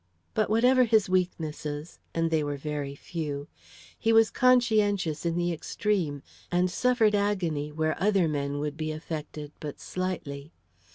But whatever his weaknesses and they were very few, he was conscientious in the extreme, and suffered agony where other men would be affected but slightly.